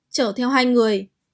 chở theo hai người